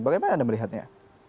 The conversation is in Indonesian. bagaimana anda melihatnya